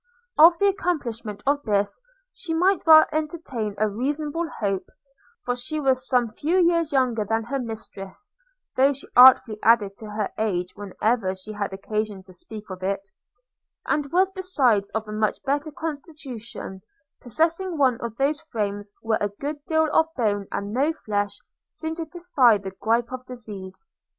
Of the accomplishment of this she might well entertain a reasonable hope; for she was some few years younger than her mistress (though she artfully added to her age, whenever she had occasion to speak of it), and was besides of a much better constitution, possessing one of those frames, where a good deal of bone and no flesh seem to defy the gripe of disease.